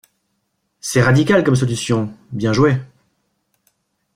C'est radical comme solution, bien joué.